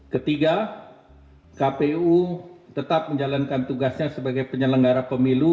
ketiga kpu tetap menjalankan tugasnya sebagai penyelenggara pemilu